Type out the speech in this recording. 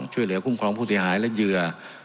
ช่วยเหลือคุ้มครองผู้เสียหายและเหยื่อ